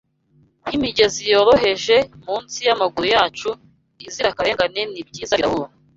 Nkimigezi yoroheje munsi yamaguru yacu Inzirakarengane nibyiza birahura